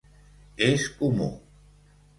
És comú.